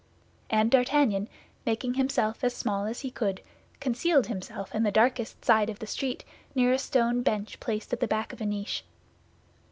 And D'Artagnan, making himself as small as he could, concealed himself in the darkest side of the street near a stone bench placed at the back of a niche.